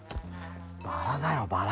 バラだよバラ。